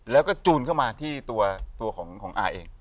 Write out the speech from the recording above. แล้วก็จูนเข้ามาที่ตัวของอาเอง